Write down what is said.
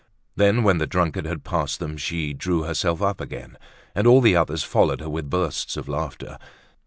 Then when the drunkard had passed them she drew herself up again, and all the others followed her with bursts of laughter.